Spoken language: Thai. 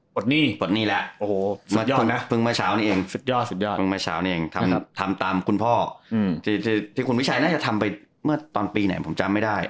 ปลดหนี้ปลดหนี้แล้วพึงเมื่อเช้านี้เองทำตามคุณพ่อที่คุณวิชัยน่าจะทำไปเมื่อตอนปีไหนผมจำไม่ได้